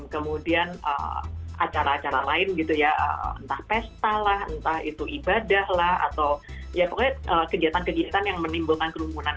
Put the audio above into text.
kemudian acara acara lain gitu ya entah pesta lah entah itu ibadah lah atau ya pokoknya kegiatan kegiatan yang menimbulkan kerumunan